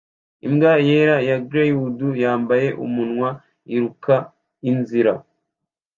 Imbwa yera ya greyhound yambaye umunwa iruka inzira